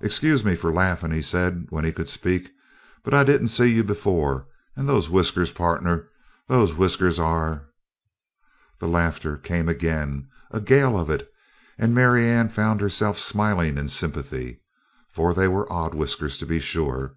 "Excuse me for laughing," he said when he could speak, "but I didn't see you before and those whiskers, partner those whiskers are " The laughter came again, a gale of it, and Marianne found herself smiling in sympathy. For they were odd whiskers, to be sure.